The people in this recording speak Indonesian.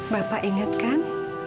bapak ingat kan